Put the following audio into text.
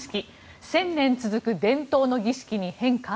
１０００年続く伝統の儀式に変化？